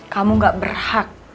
kamu gak berhak